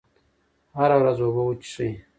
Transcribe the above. هره ورځ اوبه وڅښئ.